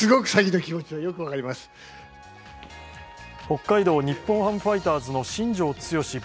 北海道日本ハムファイターズの新庄剛志